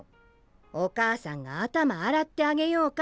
お母さんが頭洗ってあげようか？